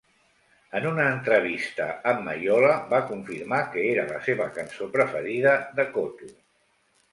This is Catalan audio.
En una entrevista amb Maiola, va confirmar que era la seva cançó preferida de Koto